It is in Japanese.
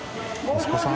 息子さん？